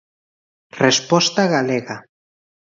Resposta galega.